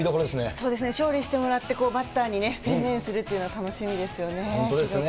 そうですね、勝利してもらって、バッターに専念するっていうのは楽しみですよね。